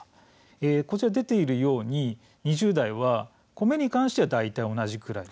こちら出ているように２０代は米に関しては大体同じくらい。